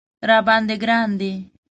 راباندې ګران دی